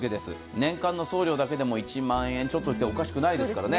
年間の送料だけでも１万円ちょっといっておかしくないですからね。